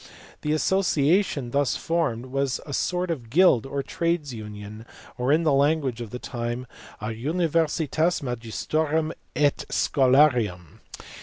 The association thus formed was a sort of guild or trades union, or in the language of the time a universitas magistrorum et scholarium.